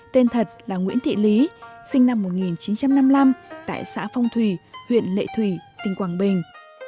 tên thật là nguyễn thị lý sinh năm một nghìn chín trăm năm mươi năm tại xã phong thủy huyện lệ thủy tỉnh quảng bình